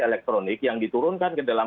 elektronik yang diturunkan ke dalam